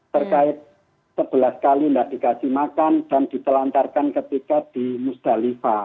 terkait sebelas kali tidak dikasih makan dan ditelantarkan ketika di musdalifah